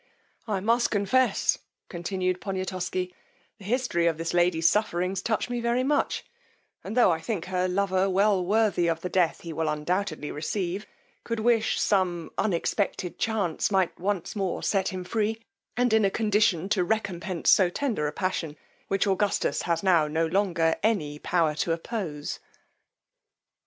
I must confess, continued Poniatosky, the history of this lady's sufferings touch me very much; and tho' I think her lover well worthy of the death he will undoubtedly receive, could wish some unexpected chance might once more set him free, and in a condition to recompence so tender a passion, which Augustus has now no longer any power to oppose.